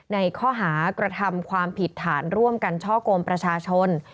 ในข้อหากระทำความผิดฐานร่วมกันช่อกงประชาชน